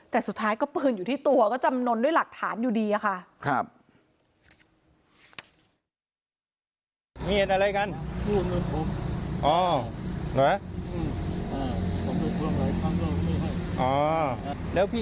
แต่สุดท้ายก็ปืนอยู่ที่ตัวก็จำนวนด้วยหลักฐานอยู่ดีอะค่ะ